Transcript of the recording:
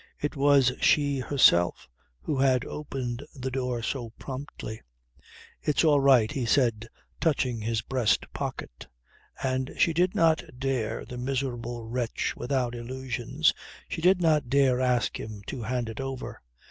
It was she, herself, who had opened the door so promptly. "It's all right," he said touching his breast pocket; and she did not dare, the miserable wretch without illusions, she did not dare ask him to hand it over.